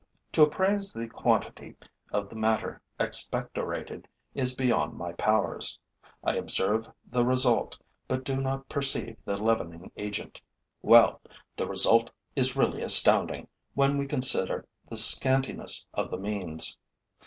To appraise the quantity of the matter expectorated is beyond my powers: I observe the result, but do not perceive the leavening agent. Well, this result is really astounding, when we consider the scantiness of the means.